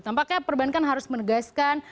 tampaknya perbankan harus menegaskan